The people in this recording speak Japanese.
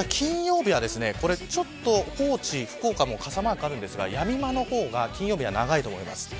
ただ金曜日は高知、福岡も傘マークあるんですがやみ間の方が金曜日は長いと思います。